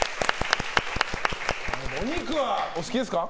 お肉はお好きですか？